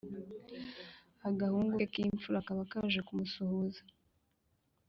agahungu ke k’imfura kaba kaje kumusuhuza